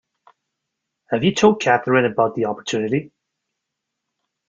Have you told Katherine about the opportunity?